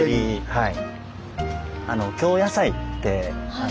はい。